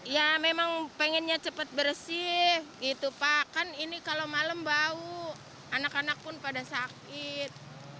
ya memang pengennya cepat bersih gitu pak kan ini kalau malam bau anak anak pun pada sakit